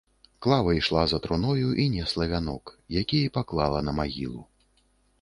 Клава ішла за труною і несла вянок, які і паклала на магілу.